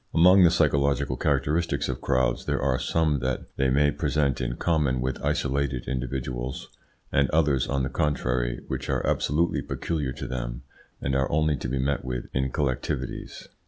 Among the psychological characteristics of crowds there are some that they may present in common with isolated individuals, and others, on the contrary, which are absolutely peculiar to them and are only to be met with in collectivities.